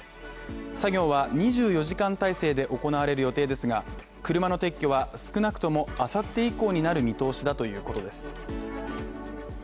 作業は、２４時間体制で行われる予定ですが、車の撤去は少なくともあさって以降になる見通しだということです。